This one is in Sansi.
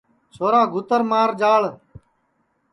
چھورا گھُوتر مار جاݪ